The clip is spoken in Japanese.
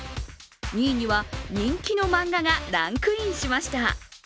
２位には人気の漫画がランクインしました。